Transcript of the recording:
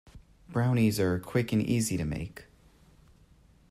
Brownies are quick and easy to make.